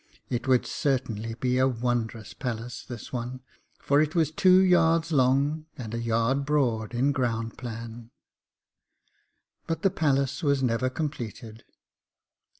It would certainly be a wondrous palace, this one, for it was two yards long and a yard broad in ground plan. But the palace was never completed.